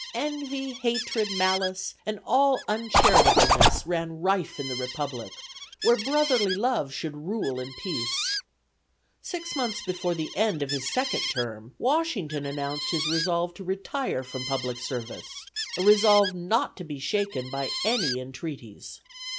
"Envy, hatred, malice, and all uncharitableness" ran rife in the Republic where brotherly love should rule in peace. Six months before the end of his second term, Washington announced his resolve to retire from public service; a resolve not to be shaken by any entreaties.